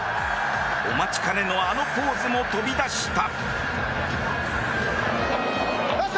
お待ちかねのあのポーズも飛び出した。